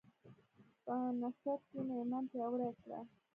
په نصرت کښېنه، ایمان پیاوړی کړه.